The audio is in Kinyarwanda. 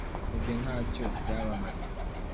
ibyo ntacyo byabamariye